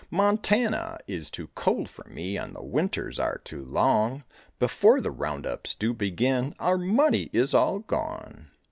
Montana is too cold for me And the winters are too long; Before the round ups do begin Our money is all gone.